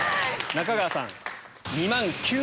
中川さん。